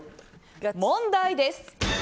問題です。